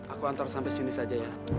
aku antar sampai sini saja ya